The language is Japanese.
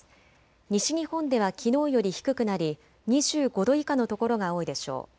西日本ではきのうより低くなり２５度以下の所が多いでしょう。